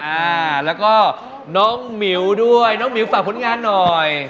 อ่าแล้วก็น้องหมิวด้วยน้องหมิวฝากผลงานหน่อย